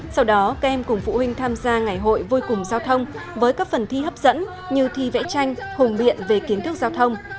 sau đó các em cùng phụ huynh tham gia ngày hội vui cùng giao thông với các phần thi hấp dẫn như thi vẽ tranh hùng biện về kiến thức giao thông